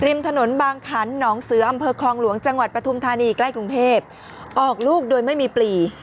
ริมถนนบางขันหนองเสืออำเภอคลองหลวงจังหวัดปฐุมธานีใกล้กรุงเทพออกลูกโดยไม่มีปลี